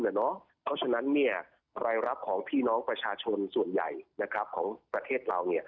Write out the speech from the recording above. เพราะฉะนั้นรายรับของพี่น้องประชาชนส่วนใหญ่ของประเทศเรา